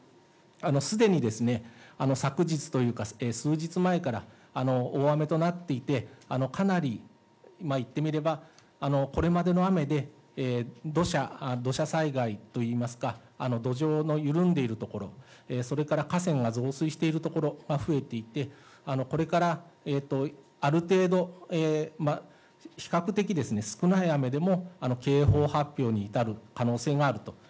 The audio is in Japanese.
すでに昨日というか、数日前から大雨となっていて、かなりいってみれば、これまでの雨で土砂、土砂災害といいますか、土壌の緩んでいる所、それから河川が増水している所が増えていて、これからある程度、比較的少ない雨でも警報発表に至る可能性があると。